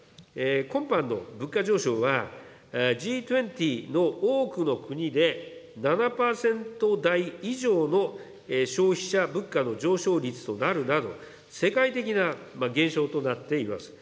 今般の物価上昇は、Ｇ２０の多くの国で７％台以上の消費者物価の上昇率となるなど、世界的な現象となっています。